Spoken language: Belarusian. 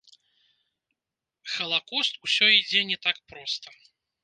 Халакост усё ідзе не так проста.